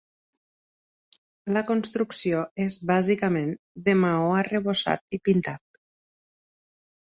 La construcció és bàsicament de maó arrebossat i pintat.